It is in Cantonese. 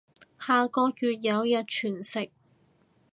下個月有日全食